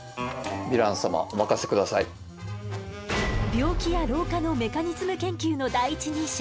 病気や老化のメカニズム研究の第一人者